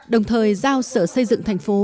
đồng thời giao sở xây dựng thành phố